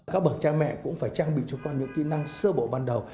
các bậc cha mẹ cũng phải trang bị cho con những kỹ năng sơ bộ ban đầu